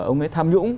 ông ấy tham nhũng